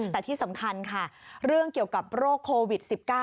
แต่ที่สำคัญค่ะเรื่องเกี่ยวกับโรคโควิด๑๙